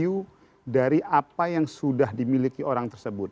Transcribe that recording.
review dari apa yang sudah dimiliki orang tersebut